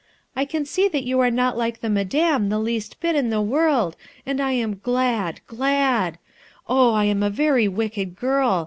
I can see that you are not like the Madame the least bit in the world, and I am glad, gladl Oh! I am a very wicked girl!